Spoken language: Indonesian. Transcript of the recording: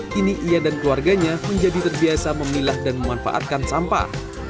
kini ia dan keluarganya menjadi terbiasa memilah dan memanfaatkan sampah